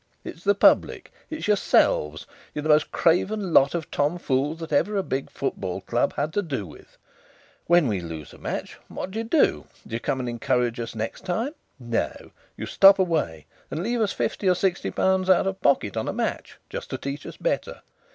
It's the public it's yourselves. You're the most craven lot of tom fools that ever a big football club had to do with. When we lose a match, what do you do? Do you come and encourage us next time? No, you stop away, and leave us fifty or sixty pound out of pocket on a match, just to teach us better!